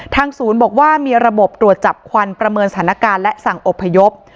ศูนย์บอกว่ามีระบบตรวจจับควันประเมินสถานการณ์และสั่งอบพยพ